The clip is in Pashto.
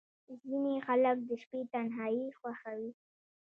• ځینې خلک د شپې تنهايي خوښوي.